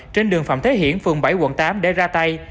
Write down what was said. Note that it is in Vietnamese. trên đường phạm thế hiển phường bảy quận tám để ra tay